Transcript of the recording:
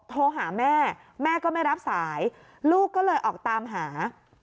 โทรหาแม่แม่ก็ไม่รับสายลูกก็เลยออกตามหา